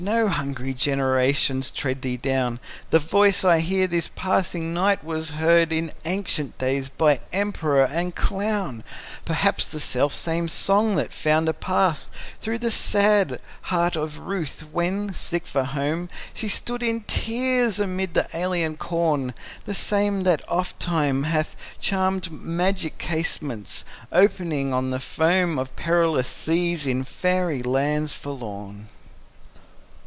No hungry generations tread thee down; The voice I hear this passing night was heard In ancient days by emperor and clown: Perhaps the self same song that found a path Through the sad heart of Ruth, when, sick for home, She stood in tears amid the alien corn; The same that oft times hath Charmed magic casements, opening on the foam Of perilous seas, in faery lands forlorn.